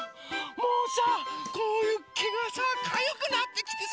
もうさこうけがさかゆくなってきてさ